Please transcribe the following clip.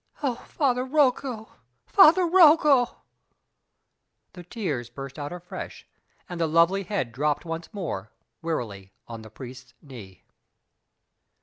Oh, Father Rocco! Father Rocco!" The tears burst out afresh, and the lovely head dropped once more, wearily, on the priest's knee.